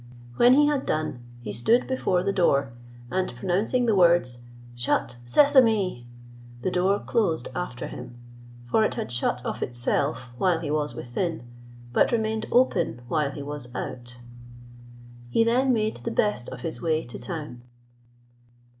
When he had done he stood before the door, and pronouncing the words, "Shut, Sesame," the door closed after him, for it had shut of itself while he was within, but remained open while he was out. He then made the best of his way to town.